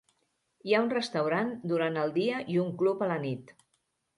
Hi ha un restaurant durant el dia i un club a la nit.